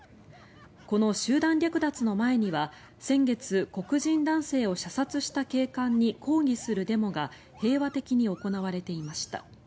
この集団略奪の前には先月、黒人男性を射殺した警官に抗議するデモが平和的に行われていました。